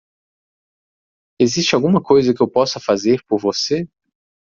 Existe alguma coisa que eu possa fazer por você?